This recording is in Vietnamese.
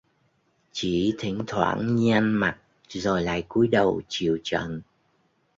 Chỉ Thỉnh thoảng nhăn mặt rồi lại cúi đầu chịu trận